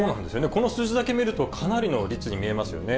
この数字だけ見ると、かなりの率に見えますよね。